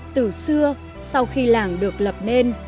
từ xưa sau khi làng được lập nên